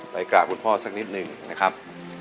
ไปกล้าคุณพ่อสักนิดนึงนะครับ